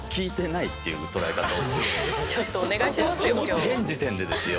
現時点でですよ。